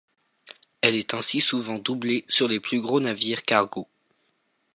Elle est ainsi souvent doublée sur les plus gros navires cargos.